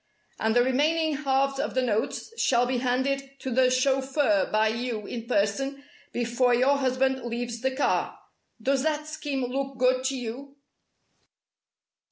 And the remaining halves of the notes shall be handed to the chauffeur by you in person before your husband leaves the car. Does that scheme look good to you?"